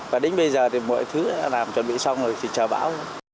và đến bây giờ thì mọi thứ đã làm chuẩn bị xong rồi thì chờ bão